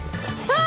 あ！